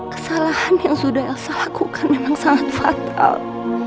kesalahan yang sudah elsa lakukan memang sangat fatal